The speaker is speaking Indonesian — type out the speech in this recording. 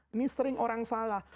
ini sering orang salah